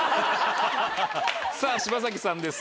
さぁ柴咲さんです。